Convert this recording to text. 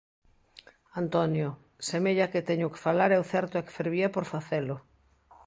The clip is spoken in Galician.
Antonio: Semella que teño que falar e o certo é que fervía por facelo.